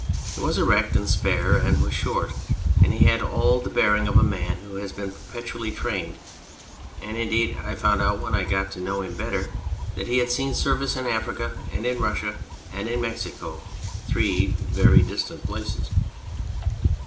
He was erect and spare ; he was short, and he had all the bearing of a man who has been perpetually trained, and, indeed, I found out when I got to know him better that he had seen service in Africa and in Russia and in Mexico, three very distant places.